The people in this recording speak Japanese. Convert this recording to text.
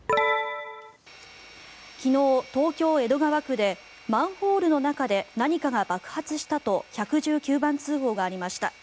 昨日、東京・江戸川区でマンホールの中で何かが爆発したと１１９番通報がありました。